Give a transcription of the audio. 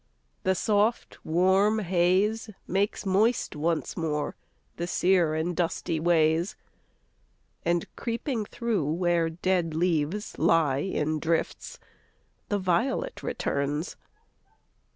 The soft, warm haze Makes moist once more the sere and dusty ways, And, creeping through where dead leaves lie in drifts, The violet returns.